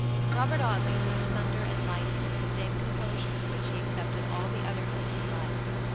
Robert Audley took the thunder and lightning with the same composure with which he accepted all the other ills of life.